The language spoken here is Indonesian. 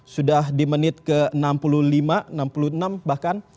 sudah di menit ke enam puluh lima enam puluh enam bahkan